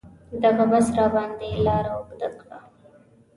دغه بس راباندې لاره اوږده کړه.